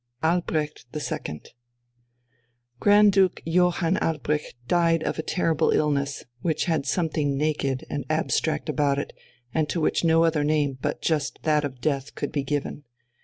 V ALBRECHT II Grand Duke Johann Albrecht died of a terrible illness, which had something naked and abstract about it, and to which no other name but just that of death could be given.